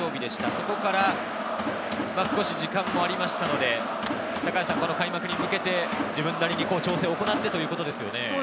そこから少し時間もありましたので、この開幕に向けて自分なりに調整を行ってということですね。